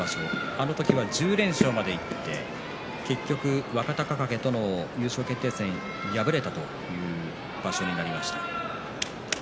あの時は１０連勝までいって結局、若隆景との優勝決定戦に敗れたという場所になりました。